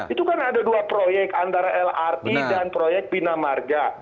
itu kan ada dua proyek antara lrt dan proyek bina marga